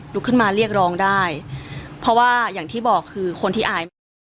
ขึ้นมาเรียกร้องได้เพราะว่าอย่างที่บอกคือคนที่อายมาก